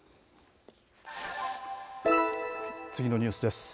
次のニュースです。